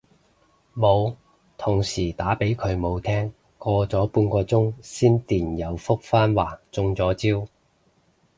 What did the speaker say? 冇，同事打畀佢冇聽，過咗半個鐘先電郵覆返話中咗招